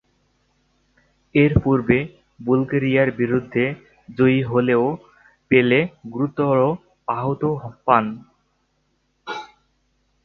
এর পূর্বে বুলগেরিয়ার বিরুদ্ধে জয়ী হলেও পেলে গুরুতর আঘাত পান।